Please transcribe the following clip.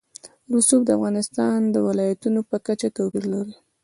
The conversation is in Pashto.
رسوب د افغانستان د ولایاتو په کچه توپیر لري.